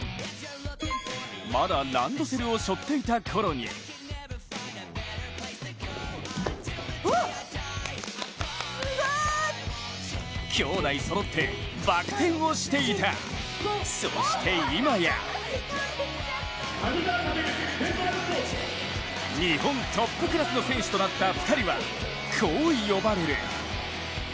まだランドセルを背負っていたころに兄弟そろって、バク転をしていたそして今や日本トップクラスの選手となった２人はこう、呼ばれる。